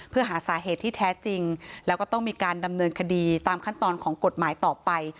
เพื่อหาสาเหตุที่แท้จริงแล้วก็ต้องมีการดำเนินคดีตามขั้นตอนของกฎหมายต่อไป